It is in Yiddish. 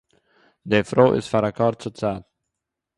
די פרוי איז פאַר אַ קורצער צייט